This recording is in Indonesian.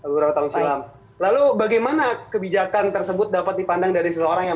beberapa tahun silam lalu bagaimana kebijakan tersebut dapat dipandang dari seseorang yang